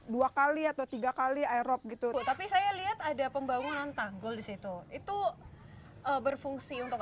dua kali atau tiga kali aerob gitu tapi saya lihat ada pembangunan tanggul disitu itu berfungsi untuk